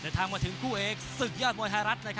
เดี๋ยวทางมาถึงคู่เอกศึกยอดม่วยไทยรัศน์